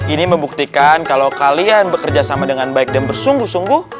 ini membuktikan kalau kalian bekerja sama dengan baik dan bersungguh sungguh